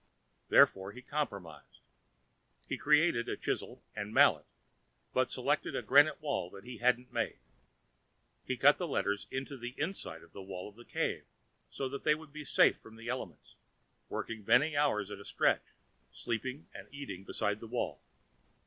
Therefore he compromised. He created a chisel and mallet, but selected a granite wall that he hadn't made. He cut the letters into the inside of the wall of the cave so they would be safe from the elements, working many hours at a stretch, sleeping and eating beside the wall.